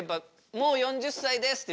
もう４０歳ですって。